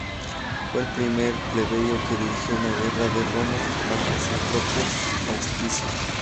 Fue el primer plebeyo que dirigió una guerra en Roma bajo sus propios auspicios.